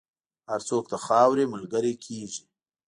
هر څوک د خاورې ملګری کېږي.